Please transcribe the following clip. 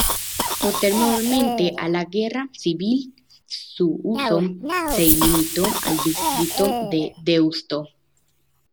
Posteriormente a la Guerra civil su uso se limitó al distrito de Deusto.